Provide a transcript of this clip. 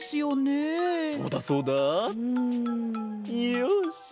よし。